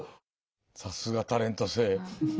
さすがタレント性。